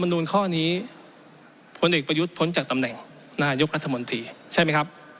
นูลข้อนี้พลเอกประยุทธ์พ้นจากตำแหน่งนายกรัฐมนตรีใช่ไหมครับ